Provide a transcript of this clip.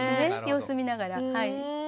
様子見ながらはい。